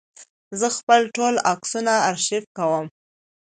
زه خپل ټول عکسونه آرشیف کوم.